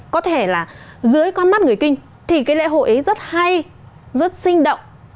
có thể là dưới con mắt người kinh thì cái lễ hội ấy rất hay rất sinh động